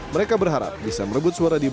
mereka berharap bisa merebut suatu